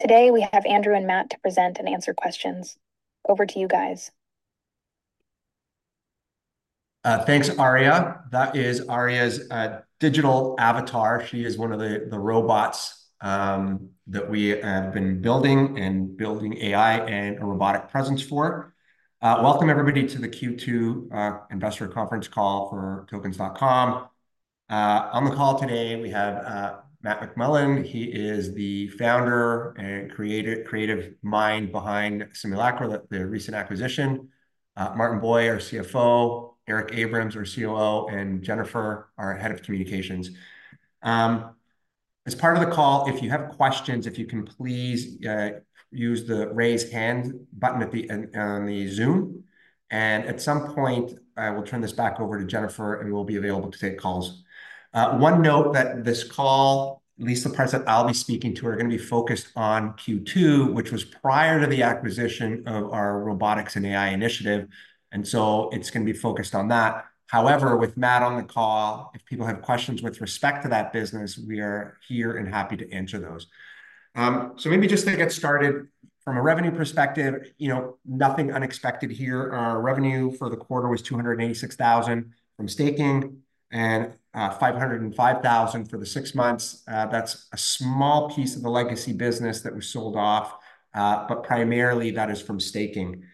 ...Today, we have Andrew and Matt to present and answer questions. Over to you guys. Thanks, Aria. That is Aria's digital avatar. She is one of the robots that we have been building and building AI and a robotic presence for. Welcome, everybody, to the Q2 investor conference call for Tokens.com. On the call today, we have Matt McMullen. He is the founder and creative mind behind Simulacra, the recent acquisition. Martin Bui, our CFO, Eric Abrahams, our COO, and Jennifer, our head of communications. As part of the call, if you have questions, if you can please use the Raise Hand button on the Zoom, and at some point, I will turn this back over to Jennifer, and we'll be available to take calls. One note that this call, at least the parts that I'll be speaking to, are gonna be focused on Q2, which was prior to the acquisition of our robotics and AI initiative, and so it's gonna be focused on that. However, with Matt on the call, if people have questions with respect to that business, we are here and happy to answer those. So maybe just to get started, from a revenue perspective, you know, nothing unexpected here. Our revenue for the quarter was 286,000 from staking, and 505,000 for the six months. That's a small piece of the legacy business that we sold off, but primarily that is from staking.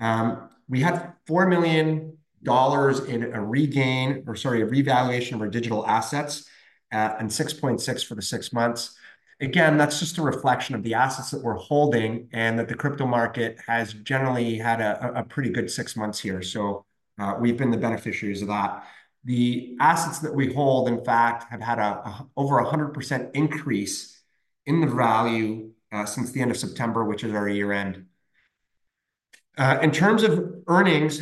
We had 4 million dollars in a revaluation of our digital assets, and 6.6 million for the six months. Again, that's just a reflection of the assets that we're holding, and that the crypto market has generally had a pretty good six months here, so we've been the beneficiaries of that. The assets that we hold, in fact, have had over 100% increase in the value since the end of September, which is our year-end. In terms of earnings,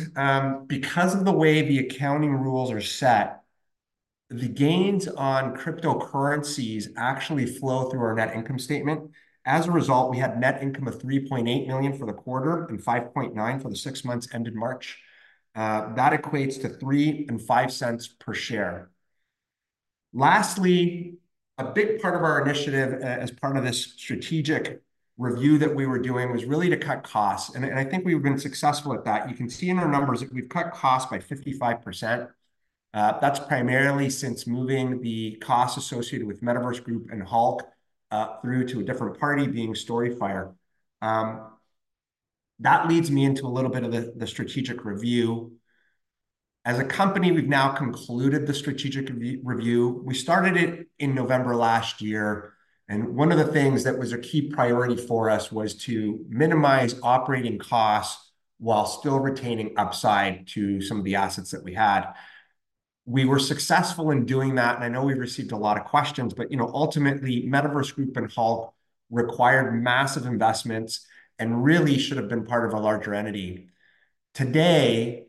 because of the way the accounting rules are set, the gains on cryptocurrencies actually flow through our net income statement. As a result, we had net income of 3.8 million for the quarter and 5.9 million for the six months ended March. That equates to 0.03 and 0.05 per share. Lastly, a big part of our initiative as part of this strategic review that we were doing was really to cut costs, and I think we've been successful at that. You can see in our numbers that we've cut costs by 55%. That's primarily since moving the costs associated with Metaverse Group and Hulk through to a different party, being StoryFire. That leads me into a little bit of the strategic review. As a company, we've now concluded the strategic review. We started it in November last year, and one of the things that was a key priority for us was to minimize operating costs while still retaining upside to some of the assets that we had. We were successful in doing that, and I know we've received a lot of questions, but, you know, ultimately, Metaverse Group and Hulk Labs required massive investments and really should have been part of a larger entity. Today,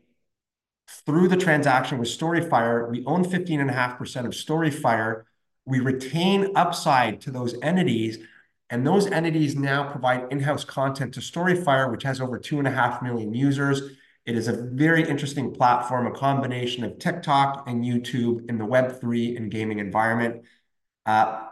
through the transaction with StoryFire, we own 15.5% of StoryFire. We retain upside to those entities, and those entities now provide in-house content to StoryFire, which has over 2.5 million users. It is a very interesting platform, a combination of TikTok and YouTube in the Web3 and gaming environment.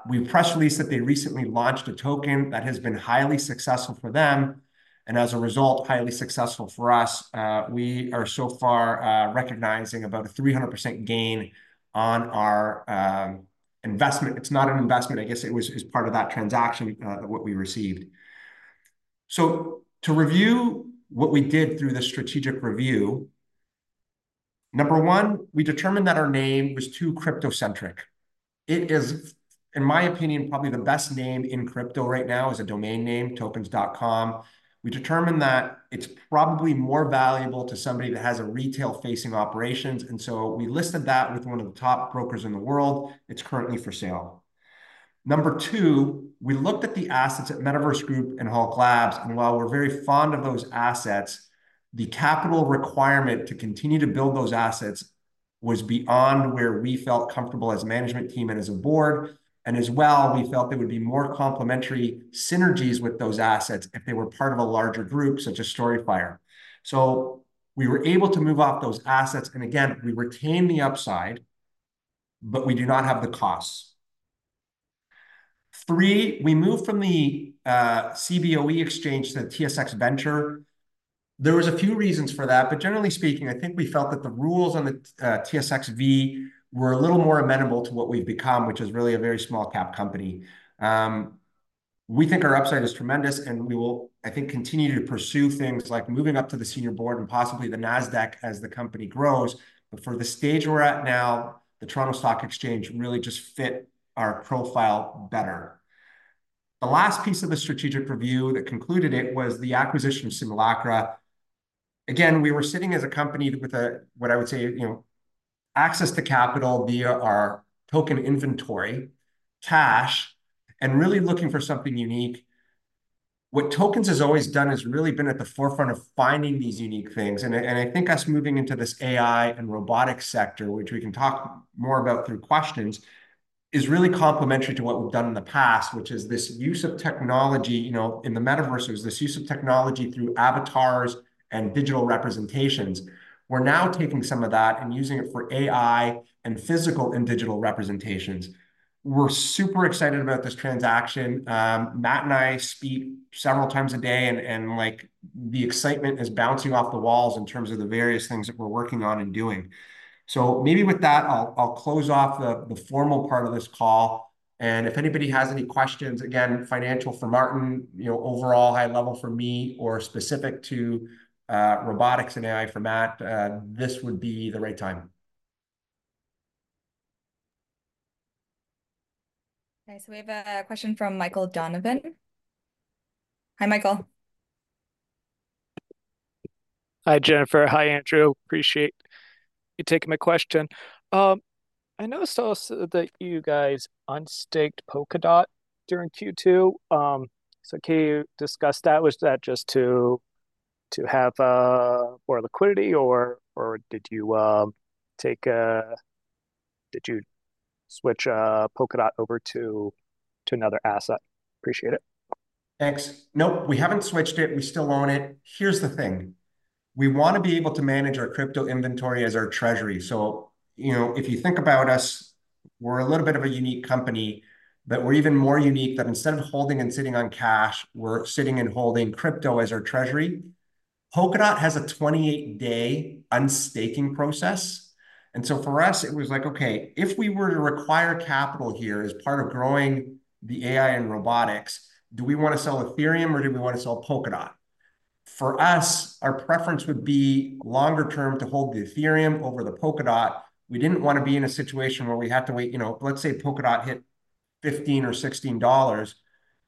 We press released that they recently launched a token that has been highly successful for them, and as a result, highly successful for us. We are so far recognizing about a 300% gain on our investment. It's not an investment. I guess it was, it was part of that transaction, what we received. So to review what we did through the strategic review, number one, we determined that our name was too crypto-centric. It is, in my opinion, probably the best name in crypto right now as a domain name, Tokens.com. We determined that it's probably more valuable to somebody that has a retail-facing operations, and so we listed that with one of the top brokers in the world. It's currently for sale. Number 2, we looked at the assets at Metaverse Group and Hulk Labs, and while we're very fond of those assets, the capital requirement to continue to build those assets was beyond where we felt comfortable as a management team and as a board, and as well, we felt there would be more complementary synergies with those assets if they were part of a larger group, such as StoryFire. So we were able to move off those assets, and again, we retain the upside, but we do not have the costs. 3, we moved from the Cboe exchange to the TSX Venture. There was a few reasons for that, but generally speaking, I think we felt that the rules on the TSXV were a little more amenable to what we've become, which is really a very small-cap company. We think our upside is tremendous, and we will, I think, continue to pursue things like moving up to the senior board and possibly the Nasdaq as the company grows, but for the stage we're at now, the Toronto Stock Exchange really just fit our profile better. The last piece of the strategic review that concluded it was the acquisition of Simulacra. Again, we were sitting as a company with a, what I would say, you know, access to capital via our token inventory, cash, and really looking for something unique. What Tokens has always done has really been at the forefront of finding these unique things, and I, and I think us moving into this AI and robotics sector, which we can talk more about through questions, is really complementary to what we've done in the past, which is this use of technology... You know, in the Metaverse, there was this use of technology through avatars and digital representations. We're now taking some of that and using it for AI and physical and digital representations. We're super excited about this transaction. Matt and I speak several times a day, the excitement is bouncing off the walls in terms of the various things that we're working on and doing. So maybe with that, I'll close off the formal part of this call, and if anybody has any questions, again, financial for Martin, you know, overall high level for me, or specific to robotics and AI for Matt, this would be the right time. Okay, so we have a question from Michael Donovan. Hi, Michael. Hi, Jennifer. Hi, Andrew. Appreciate you taking my question. I noticed also that you guys unstaked Polkadot during Q2. So can you discuss that? Was that just to have more liquidity or did you switch Polkadot over to another asset? Appreciate it. Thanks. Nope, we haven't switched it. We still own it. Here's the thing: we want to be able to manage our crypto inventory as our treasury. So, you know, if you think about us, we're a little bit of a unique company, but we're even more unique that instead of holding and sitting on cash, we're sitting and holding crypto as our treasury. Polkadot has a 28-day unstaking process, and so for us, it was like, okay, if we were to require capital here as part of growing the AI and robotics, do we want to sell Ethereum or do we want to sell Polkadot? For us, our preference would be longer term to hold the Ethereum over the Polkadot. We didn't want to be in a situation where we had to wait... You know, let's say Polkadot hit $15 or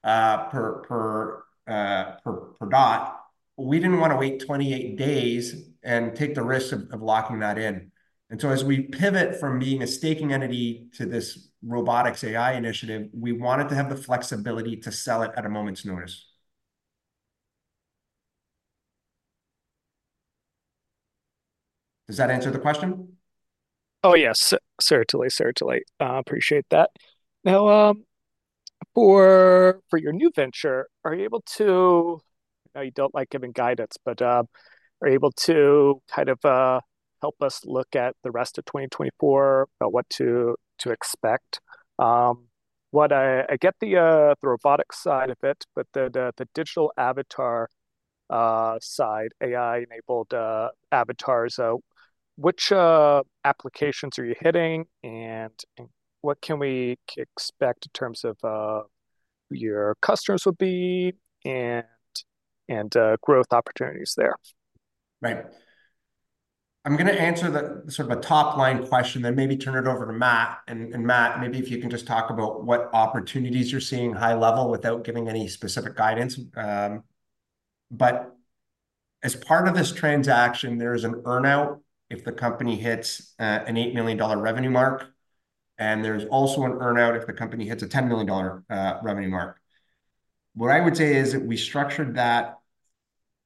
$16 per DOT. We didn't want to wait 28 days and take the risk of locking that in. And so as we pivot from being a staking entity to this robotics AI initiative, we wanted to have the flexibility to sell it at a moment's notice. Does that answer the question? Oh, yes, certainly, certainly. Appreciate that. Now, for your new venture, are you able to... I know you don't like giving guidance, but, are you able to kind of help us look at the rest of 2024 about what to expect? What I get the robotics side of it, but the digital avatar side, AI-enabled avatars, which applications are you hitting, and what can we expect in terms of who your customers would be and growth opportunities there? Right. I'm gonna answer the sort of a top-line question, then maybe turn it over to Matt, and Matt, maybe if you can just talk about what opportunities you're seeing high level without giving any specific guidance. But as part of this transaction, there is an earn-out if the company hits an $8 million revenue mark, and there's also an earn-out if the company hits a $10 million revenue mark. What I would say is that we structured that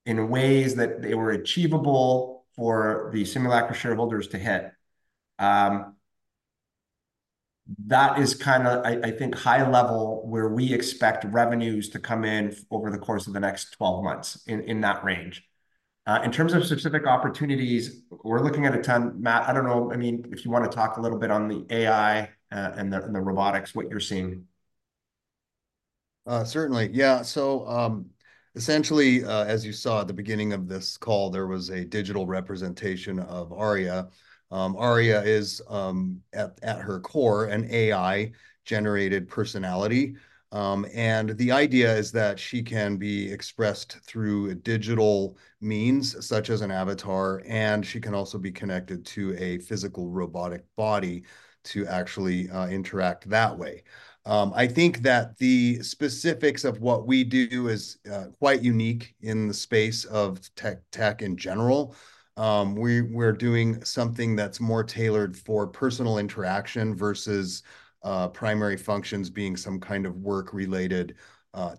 in ways that they were achievable for the Simulacra shareholders to hit. That is kind of, I think, high level where we expect revenues to come in over the course of the next 12 months, in that range. In terms of specific opportunities, we're looking at a ton. Matt, I don't know, I mean, if you want to talk a little bit on the AI and the robotics, what you're seeing. Certainly, yeah. So, essentially, as you saw at the beginning of this call, there was a digital representation of Aria. Aria is, at her core, an AI-generated personality. And the idea is that she can be expressed through a digital means, such as an avatar, and she can also be connected to a physical robotic body to actually interact that way. I think that the specifics of what we do is quite unique in the space of tech in general. We're doing something that's more tailored for personal interaction versus primary functions being some kind of work-related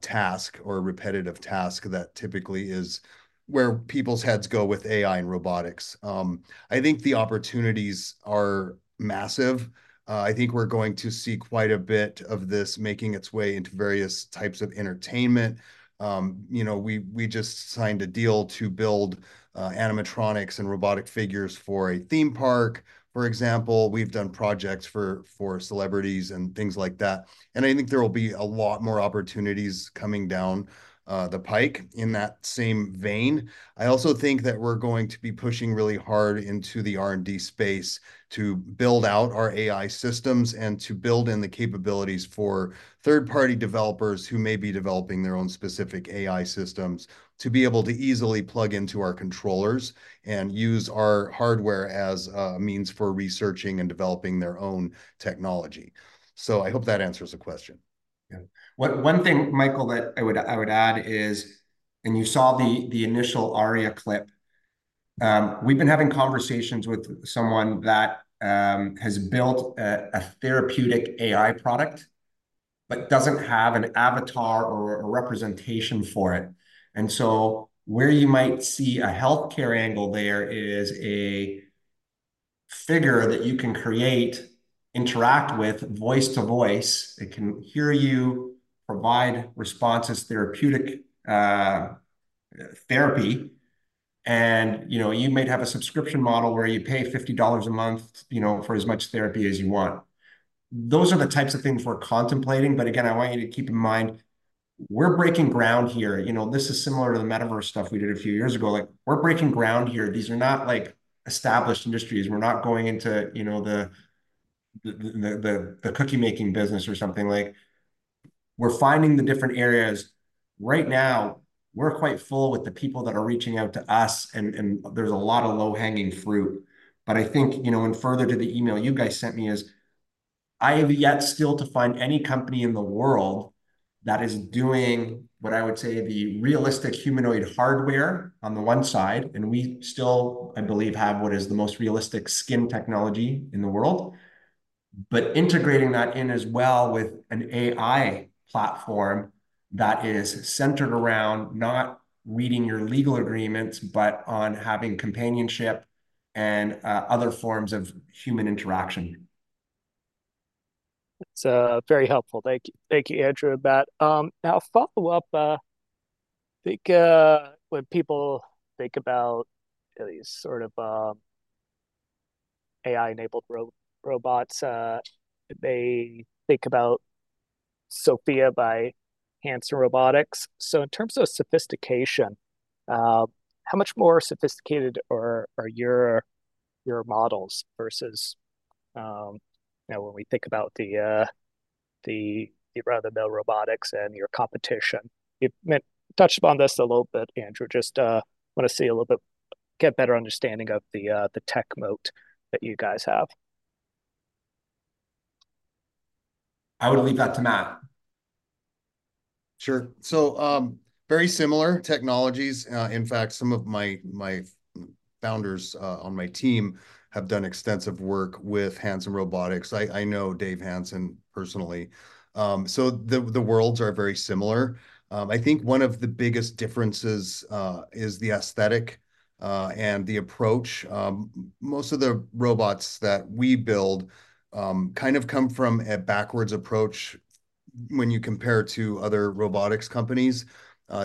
task or repetitive task that typically is where people's heads go with AI and robotics. I think the opportunities are massive. I think we're going to see quite a bit of this making its way into various types of entertainment. You know, we just signed a deal to build animatronics and robotic figures for a theme park, for example. We've done projects for celebrities and things like that, and I think there will be a lot more opportunities coming down the pike in that same vein. I also think that we're going to be pushing really hard into the R&D space to build out our AI systems and to build in the capabilities for third-party developers who may be developing their own specific AI systems to be able to easily plug into our controllers and use our hardware as a means for researching and developing their own technology. So I hope that answers the question. Yeah. One thing, Michael, that I would add is, and you saw the initial Aria clip, we've been having conversations with someone that has built a therapeutic AI product but doesn't have an avatar or a representation for it. And so where you might see a healthcare angle there is a figure that you can create, interact with voice to voice, it can hear you, provide responses, therapeutic therapy and, you know, you might have a subscription model where you pay $50 a month, you know, for as much therapy as you want. Those are the types of things we're contemplating, but again, I want you to keep in mind, we're breaking ground here. You know, this is similar to the metaverse stuff we did a few years ago. Like, we're breaking ground here. These are not, like, established industries. We're not going into, you know, the cookie-making business or something. Like, we're finding the different areas. Right now, we're quite full with the people that are reaching out to us, and there's a lot of low-hanging fruit. But I think, you know, and further to the email you guys sent me is, I have yet still to find any company in the world that is doing what I would say the realistic humanoid hardware on the one side, and we still, I believe, have what is the most realistic skin technology in the world. But integrating that in as well with an AI platform that is centered around not reading your legal agreements, but on having companionship and other forms of human interaction. It's very helpful. Thank you. Thank you, Andrew, for that. Now a follow-up, I think, when people think about these sort of AI-enabled robots, they think about Sophia by Hanson Robotics. So in terms of sophistication, how much more sophisticated are your models versus, you know, when we think about the other robotics and your competition? You touched upon this a little bit, Andrew. Just wanna get better understanding of the tech moat that you guys have. I would leave that to Matt. Sure. So, very similar technologies. In fact, some of my founders on my team have done extensive work with Hanson Robotics. I know Dave Hanson personally. So the worlds are very similar. I think one of the biggest differences is the aesthetic and the approach. Most of the robots that we build kind of come from a backwards approach when you compare to other robotics companies.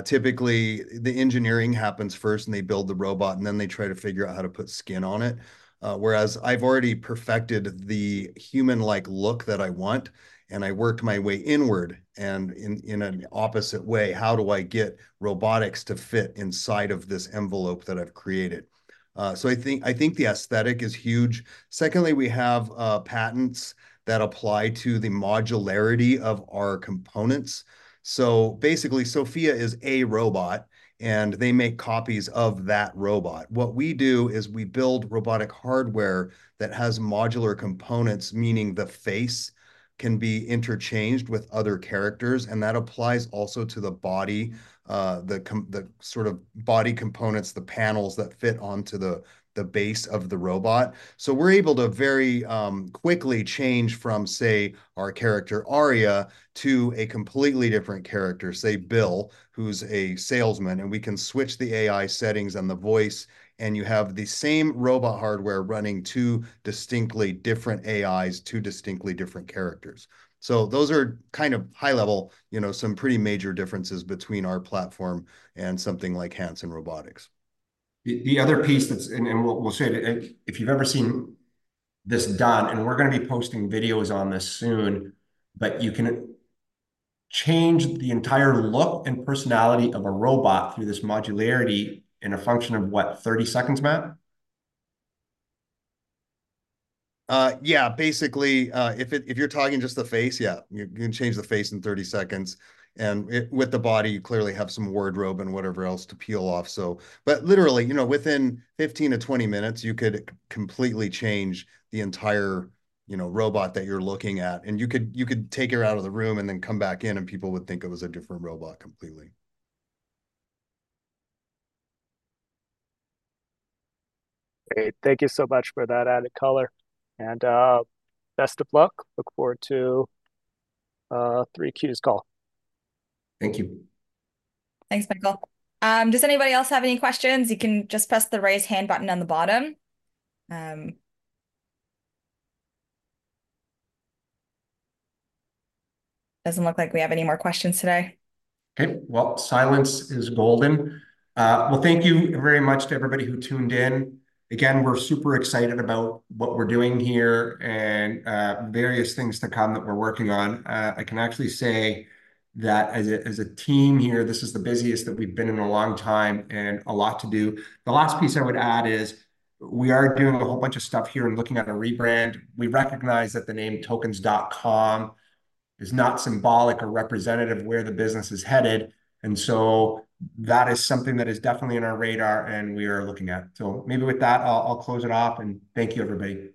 Typically, the engineering happens first, and they build the robot, and then they try to figure out how to put skin on it. Whereas I've already perfected the human-like look that I want, and I work my way inward, and in an opposite way: How do I get robotics to fit inside of this envelope that I've created? So I think the aesthetic is huge. Secondly, we have patents that apply to the modularity of our components. So basically, Sophia is a robot, and they make copies of that robot. What we do is we build robotic hardware that has modular components, meaning the face can be interchanged with other characters, and that applies also to the body, the sort of body components, the panels that fit onto the base of the robot. So we're able to very quickly change from, say, our character Aria, to a completely different character, say, Bill, who's a salesman, and we can switch the AI settings and the voice, and you have the same robot hardware running two distinctly different AIs, two distinctly different characters. So those are kind of high level, you know, some pretty major differences between our platform and something like Hanson Robotics. The other piece that's... And we'll say it, if you've ever seen this done, and we're gonna be posting videos on this soon, but you can change the entire look and personality of a robot through this modularity in a function of, what, 30 seconds, Matt? Yeah. Basically, if you're talking just the face, yeah, you can change the face in 30 seconds. With the body, you clearly have some wardrobe and whatever else to peel off, so... But literally, you know, within 15-20 minutes, you could completely change the entire, you know, robot that you're looking at, and you could take her out of the room, and then come back in, and people would think it was a different robot completely. Great. Thank you so much for that added color, and best of luck. Look forward to 3Q's call. Thank you. Thanks, Michael. Does anybody else have any questions? You can just press the Raise Hand button on the bottom. Doesn't look like we have any more questions today. Okay. Well, silence is golden. Well, thank you very much to everybody who tuned in. Again, we're super excited about what we're doing here and various things to come that we're working on. I can actually say that as a, as a team here, this is the busiest that we've been in a long time, and a lot to do. The last piece I would add is, we are doing a whole bunch of stuff here and looking at a rebrand. We recognize that the name Tokens.com is not symbolic or representative of where the business is headed, and so that is something that is definitely on our radar and we are looking at. So maybe with that, I'll close it off, and thank you, everybody.